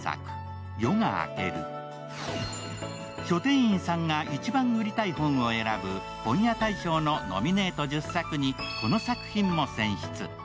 書店員さんが一番売りたいほんを選ぶ本屋大賞のノミネート１０作にこの作品も選出。